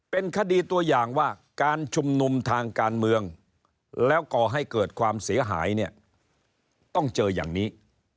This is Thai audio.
เป็นคดีตัวอย่างว่าการชุมนุมทางการเมืองแล้วก่อให้เกิดความเสียหายเนี่ยต้องเจออย่างนี้